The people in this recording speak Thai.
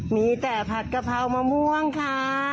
มีแต่ผัดกะเพรามะม่วงค่ะ